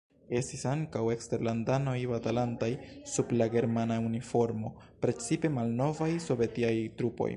Estis ankaŭ eksterlandanoj batalantaj sub la germana uniformo, precipe malnovaj sovetiaj trupoj.